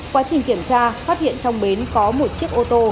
quá trình kiểm tra phát hiện trong bến có một chiếc ô tô